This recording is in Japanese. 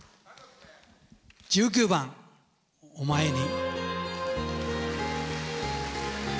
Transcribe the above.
１９番「おまえに」。